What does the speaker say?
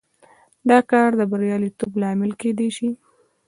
دا کار د بریالیتوب لامل کېدای شي.